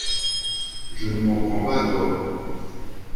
Je ne m'en prends pas à toi.